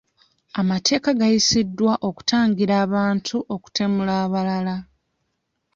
Amateeka gayisiddwa okutangira abantu okutemula abalala.